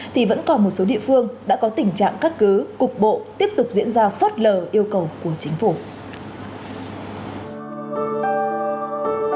thì vẫn còn một số địa phương đã có tình trạng cắt cứ cục bộ tiếp tục diễn ra phớt lờ yêu cầu của chính phủ